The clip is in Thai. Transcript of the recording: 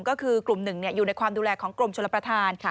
ก็คือกลุ่มหนึ่งอยู่ในความดูแลของกรมชลประธาน